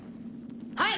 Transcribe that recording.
はい。